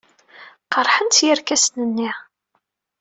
Qerḥen-tt yerkasen-nni.